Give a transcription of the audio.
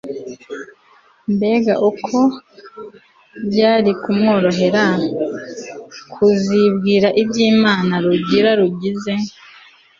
mbega uko byari kumworohera kuzibwira iby'imana, rugira rugize